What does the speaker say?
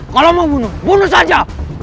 kalau mau bunuh bunuh saja